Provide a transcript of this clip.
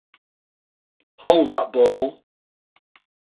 Hold That Ball!